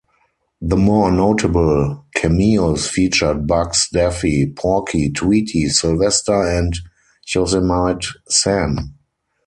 The more notable cameos featured Bugs, Daffy, Porky, Tweety, Sylvester and Yosemite Sam.